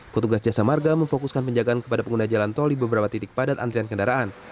petugas jasa marga memfokuskan penjagaan kepada pengguna jalan tol di beberapa titik padat antrian kendaraan